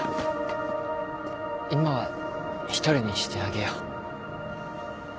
今は１人にしてあげよう。